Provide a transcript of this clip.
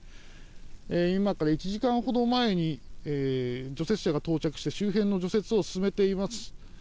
今から１時間ほど前に除雪車が到着して周辺の除雪を進めています。